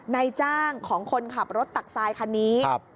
นายจ้างของคนขับรถตักซายคันนี้ครับ